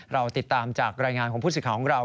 เราติดตามจากรายงานของผู้สิทธิ์ของเรา